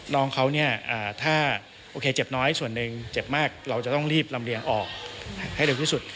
น้องเขาเนี่ยถ้าโอเคเจ็บน้อยส่วนหนึ่งเจ็บมากเราจะต้องรีบลำเรียงออกให้เร็วที่สุด